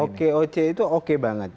okoc itu oke banget